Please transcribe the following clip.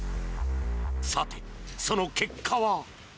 さて、その結果は。